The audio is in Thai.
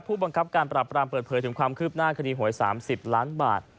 ผู้บังคับการปราบรามเปิดเผยถึงความคืบหน้าคดีหวย๓๐ล้านบาท